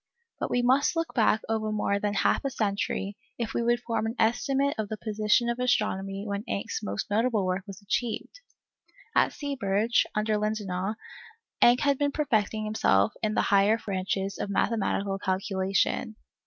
But we must look back over more than half a century, if we would form an estimate of the position of astronomy when Encke's most notable work was achieved. At Seeberge, under Lindenau, Encke had been perfecting himself in the higher branches of mathematical calculation.